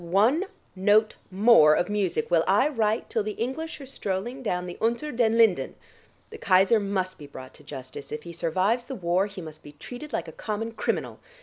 Not one note more of music will I write till the English are strolling down the Unter den Linden. The Kaiser must be brought to justice; if he survives the war he must be treated like a common criminal.